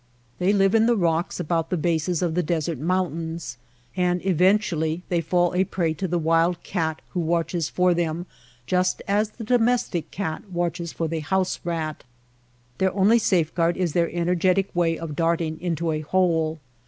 They live in the rocks about the bases of the desert mountains ; and eventually they fall a prey to the wild cat who watches for them just as the domestic cat watches for the house rat. Their only safeguard is their energetic way of darting into a hole.